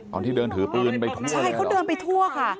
ตอนที่เดินถือปืนไปทั่วใช่เขาเดินไปทั่วค่ะ